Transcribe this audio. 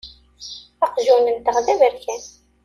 Aqjun-nteɣ d aberkan.